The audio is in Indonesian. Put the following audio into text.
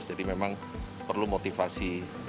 jadi memang perlu motivasi